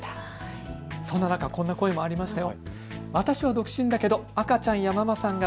そんな中、こんな声もありました。